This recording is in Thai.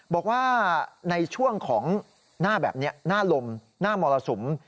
บอกว่าในช่วงของหน้าแบบนี้หน้าลมหน้ามรสุม